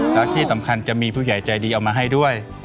แล้วที่สำคัญจะมีผู้ใหญ่ใจดีเอามาให้ด้วย